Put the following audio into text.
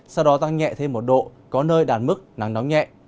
sau đó tăng nhẹ thêm một độ